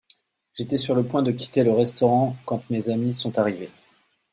J'étais sur le point de quitter le restaurant quand mes amis sont arrivés.